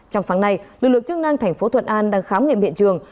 trong sáng nay lực lượng chức năng thành phố thuận an đang khám nghiệm hiện trường